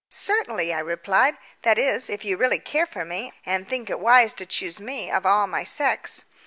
"Certainly," I replied. "That is, if you really care for me, and think it wise to choose me of all my sex."